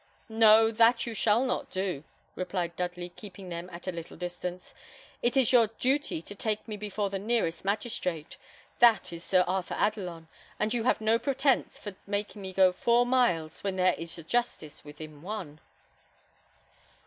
"No, that you shall not do," replied Dudley, keeping them at a little distance. "It is your duty to take me before the nearest magistrate; that is Sir Arthur Adelon, and you have no pretence for making me go four miles when there is a justice within one."